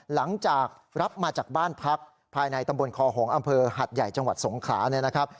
หลังจากรับมาจากบ้านพักภายในตำบลคอหงษอำเภอหัดใหญ่จังหวัดสงขลาเนี่ยนะครับ